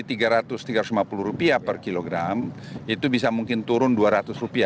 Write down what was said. rp tiga ratus lima puluh per kilogram itu bisa mungkin turun rp dua ratus